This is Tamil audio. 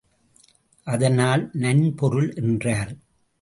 அதனால் நன்பொருள் என்றார்.